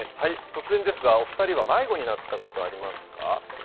突然ですが、お２人は迷子になったことありますか？